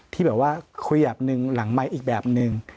ที่แบบว่าคุยแบบหนึ่งหลังไมค์อีกแบบนึง